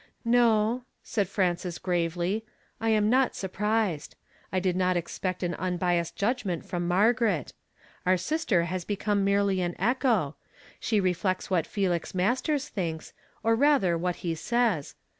"No," said Frances gravely; "I am not sur prised. I did not expect an unl)iass(;d jiulgmeut from Ahirgaret. Our sister has hecome merely an echo. She reflects what Felix Masters thinks, or rather, what he says.